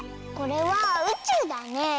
これはうちゅうだね。